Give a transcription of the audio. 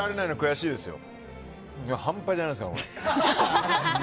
半端じゃないです。